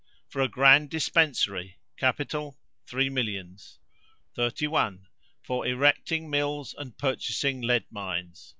For a grand dispensary. Capital, three millions. 31. For erecting mills and purchasing lead mines.